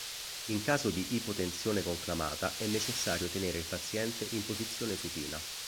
In caso di ipotensione conclamata, è necessario tenere il paziente in posizione supina.